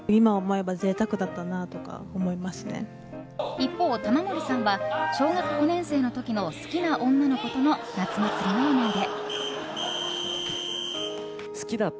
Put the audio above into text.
一方、玉森さんは小学５年生の時の好きな女の子との夏祭りの思い出。